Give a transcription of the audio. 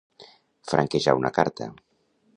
Franquejar una carta.